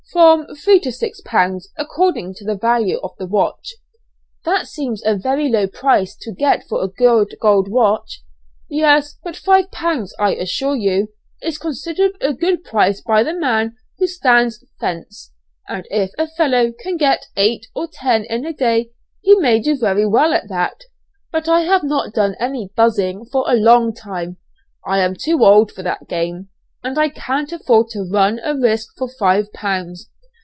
"From three to six pounds, according to the value of the watch." "That seems a very low price to get for a good gold watch?" "Yes, but five pounds, I assure you, is considered a good price by the man who stands 'fence,' and if a fellow can get eight or ten in a day he may do very well at that, but I have not done any 'buzzing' for a long time, I am too old for that game, and I can't afford to run a risk for five pounds.